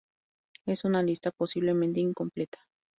Es una lista posiblemente incompleta